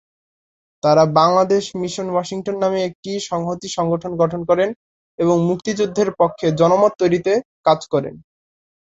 তারা ‘Bangladesh mission Washington’ নামে একটি সংহতি সংগঠন গঠন করেন এবং মুক্তিযুদ্ধের পক্ষে জনমত তৈরিতে কাজ করেন।